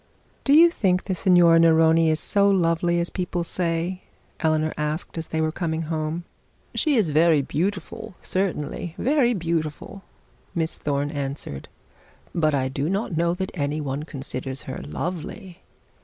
'Do you think the Signora Neroni is so lovely as people say?' Eleanor asked as they were coming home. 'She is very beautiful certainly, very beautiful,' Miss Thorne answered; 'but I do not know that any one considers her lovely.